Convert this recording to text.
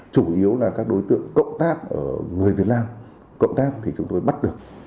chủ yếu là các đối tượng cộng tác ở người việt nam cộng tác thì chúng tôi bắt được